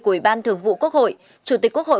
của ủy ban thường vụ quốc hội chủ tịch quốc hội